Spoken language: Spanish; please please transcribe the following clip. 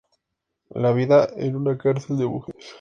La vida en una cárcel de mujeres.